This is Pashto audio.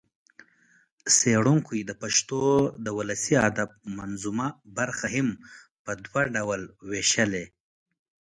څېړنکو د پښتو د ولسي ادب منظومه برخه هم په دوه ډوله وېشلې